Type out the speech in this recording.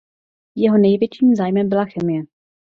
Jeho největším zájmem byla chemie.